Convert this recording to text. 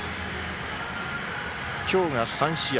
今日が３試合。